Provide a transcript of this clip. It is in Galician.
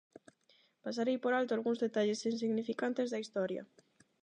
Pasarei por alto algúns detalles insignificantes da historia.